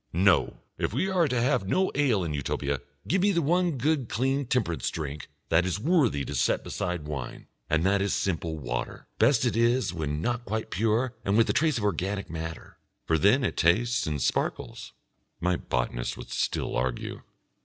No! If we are to have no ale in Utopia, give me the one clean temperance drink that is worthy to set beside wine, and that is simple water. Best it is when not quite pure and with a trace of organic matter, for then it tastes and sparkles.... My botanist would still argue.